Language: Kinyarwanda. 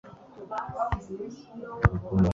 Igice cya shampiyona igice cya shampiyona